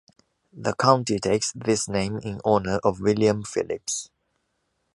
The county takes this name in honor of William Phillips.